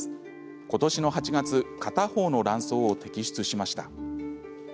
ことしの８月片方の卵巣を摘出しました。